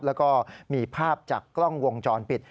แล้วก็มีภาพจากกล้องวงจรปิด